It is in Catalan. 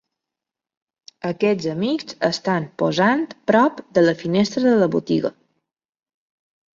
Aquests amics estan posant prop de la finestra de la botiga.